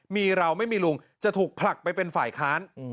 มีเราไม่มีลุงจะถูกผลักไปเป็นฝ่ายค้าน